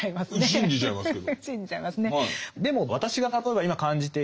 信じちゃいますけど。